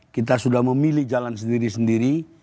kita sudah memilih jalan sendiri sendiri